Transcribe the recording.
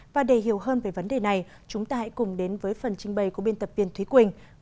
và để hiểu hơn về vấn đề này chúng ta hãy cùng đến với phần trình bày của biên tập viên thúy quỳnh